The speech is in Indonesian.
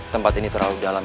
tempat ini terlalu dalam